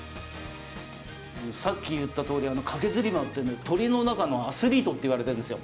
さっき言ったとおり駆けずり回ってるんで鶏の中のアスリートっていわれてるんですよ。